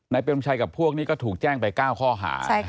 ไนท์เป็นท่วมชัยกับพวกนี้ก็ถูกแจ้งไป๙ข้อหา